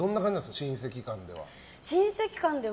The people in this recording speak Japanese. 親戚間では。